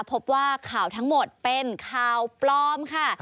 พบว่าข่าวทั้งหมดเป็นข่าวปลอมค่ะ